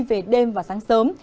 về đêm và sáng sớm